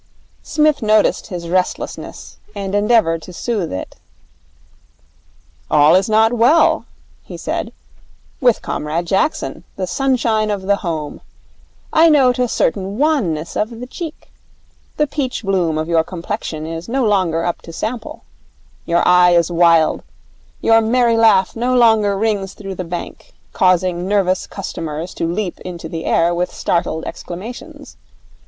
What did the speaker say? Psmith noticed his restlessness and endeavoured to soothe it. 'All is not well,' he said, 'with Comrade Jackson, the Sunshine of the Home. I note a certain wanness of the cheek. The peach bloom of your complexion is no longer up to sample. Your eye is wild; your merry laugh no longer rings through the bank, causing nervous customers to leap into the air with startled exclamations.